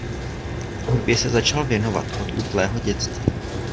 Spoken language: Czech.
Hudbě se začal věnovat od útlého dětství.